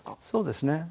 そうですね。